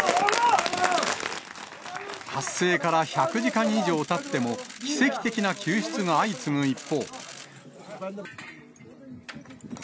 発生から１００時間以上たっても奇跡的な救出が相次ぐ一方。